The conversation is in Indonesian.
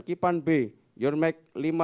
kipan b yurmex lima ribu satu ratus enam belas